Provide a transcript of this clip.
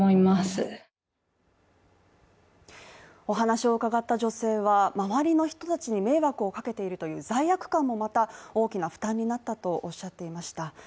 お話を伺った女性は周りの人たちに迷惑をかけているという罪悪感もまた大きな負担になったとおっしゃっていました。